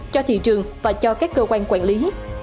cho thị trường và cho các cơ quan quản lý